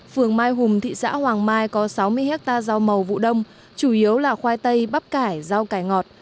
phường mai hùng thị xã hoàng mai có sáu mươi hectare rau màu vụ đông chủ yếu là khoai tây bắp cải rau cải ngọt